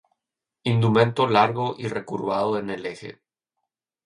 Indumento largo y recurvado en el eje.